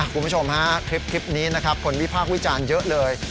คุณผู้ชมฮะคลิปนี้นะครับคนวิพากษ์วิจารณ์เยอะเลย